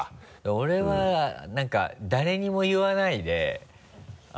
俺はなんか誰にも言わないで。